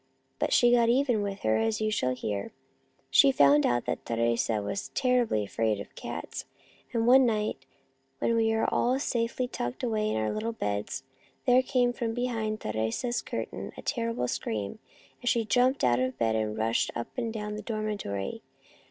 But she got even with her, as you shall hear. She found out that Teresa was terribly afraid of cats, and one night, when we were all safely tucked away in our little beds, there came from behind Teresa's curtains a terrible scream, and she jumped out of bed and rushed up and down the dormitory.